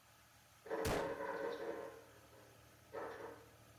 现为北京大学力学与工程科学系教授。